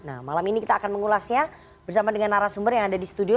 nah malam ini kita akan mengulasnya bersama dengan narasumber yang ada di studio